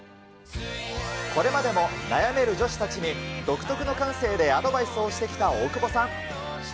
これまでも悩める女子たちに、独特の感性でアドバイスをしてきた大久保さん。